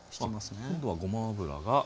あっ今度はごま油が。